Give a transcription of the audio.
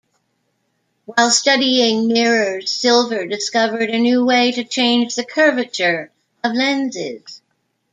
While studying mirrors, Silver discovered a new way to change the curvature of lenses.